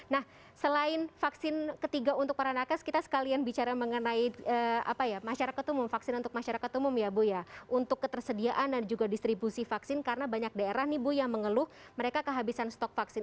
nah selain vaksin ketiga untuk para nakas kita sekalian bicara mengenai masyarakat umum vaksin untuk masyarakat umum ya bu ya untuk ketersediaan dan juga distribusi vaksin karena banyak daerah nih bu yang mengeluh mereka kehabisan stok vaksin